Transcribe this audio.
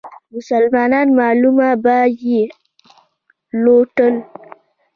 مسلمانانو مالونه به یې لوټل.